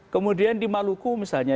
kemudian di maluku misalnya